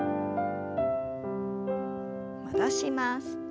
戻します。